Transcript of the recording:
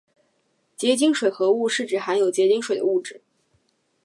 结晶水合物是指含有结晶水的物质。